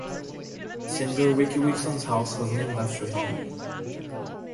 Singer Ricky Wilson's house was named after him.